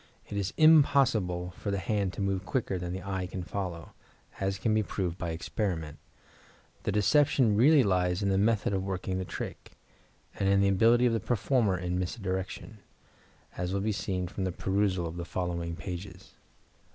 It is impossible for the hand to move quicker than the eye can follow, as can be proved by experiment. The deception really lies in the method of working the trick, and in the ability of the performer in misdirection, as will be seen from a perusal of the following pages.